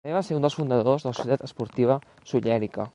També va ser un dels fundadors de la Societat Esportiva Sollerica.